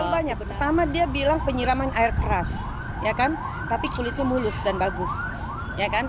banyak pertama dia bilang penyiraman air keras ya kan tapi kulitnya mulus dan bagus ya kan